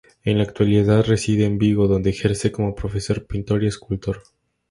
En la actualidad reside en Vigo, dónde ejerce como profesor, pintor y escultor.